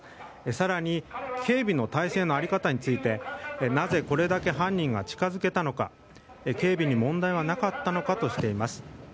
更に、警備の態勢の在り方についてなぜこれだけ犯人は近づけたのか警備に問題はなかったのかとしています。